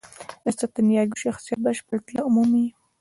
د سانتیاګو شخصیت بشپړتیا مومي.